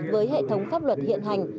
với hệ thống pháp luật hiện hành